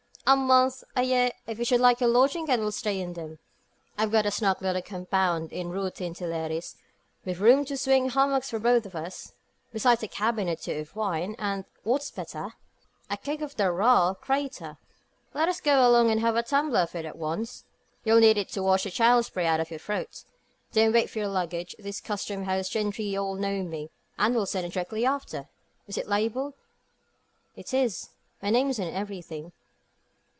"A month a year, if you should like your lodgings and will stay in them. I've got a snug little compound in the Rue Tintelleries, with room to swing hammocks for us both; besides a bin or two of wine, and, what's better, a keg of the `raal crayther.' Let's along and have a tumbler of it at once. You'll need it to wash the channel spray out of your throat. Don't wait for your luggage. These Custom house gentry all know me, and will send it directly after. Is it labelled?" "It is; my name's on everything."